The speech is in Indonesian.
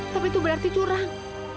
tapi itu berarti curang